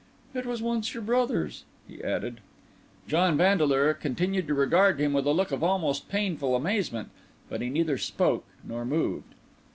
"It was once your brother's," he added. John Vandeleur continued to regard him with a look of almost painful amazement; but he neither spoke nor moved.